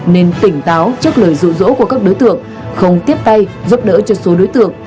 nên tỉnh táo trước lời rụ rỗ của các đối tượng không tiếp tay giúp đỡ cho số đối tượng